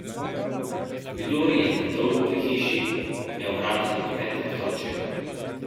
Kdor je predolgo pri hiši, ga vrata po petah tolčejo.